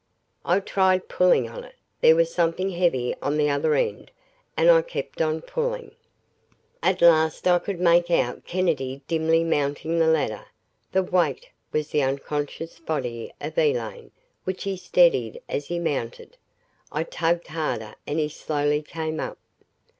I tried pulling on it. There was something heavy on the other end and I kept on pulling. At last I could make out Kennedy dimly mounting the ladder. The weight was the unconscious body of Elaine which he steadied as he mounted. I tugged harder and he slowly came up.